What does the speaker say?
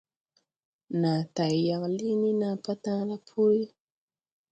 Naa tay yaŋ liŋ ni naa patala puri.